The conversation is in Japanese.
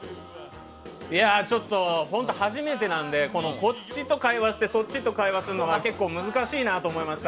ちょっと本当初めてなのでこっちと会話してそっちと会話するのが結構難しいなと思いました。